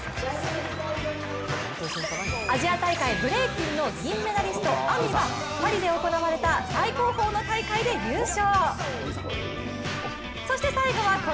アジア大会ブレイキンの銀メダリスト、Ａｍｉはパリで行われた最高峰の大会で優勝！